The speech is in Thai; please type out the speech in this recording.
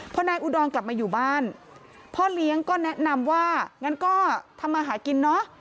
พอนายอุดรกลับมาอยู่บ้านพ่อเลี้ยงก็แนะนำว่างั้นก็ทำมาหากินเนอะ